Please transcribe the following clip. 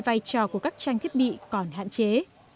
vai trò của các trang thiết bị còn hạn chế